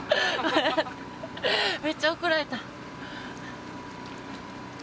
めっちゃ怒られた。